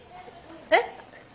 えっ？